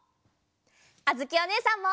あづきおねえさんも！